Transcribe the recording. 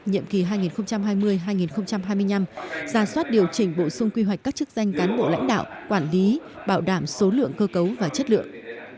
nhiệm kỳ hai nghìn hai mươi hai nghìn hai mươi năm ra soát điều chỉnh bổ sung quy hoạch các chức danh cán bộ lãnh đạo quản lý bảo đảm số lượng cơ cấu và chất lượng